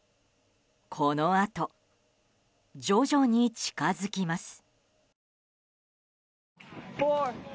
このあと、徐々に近づきます。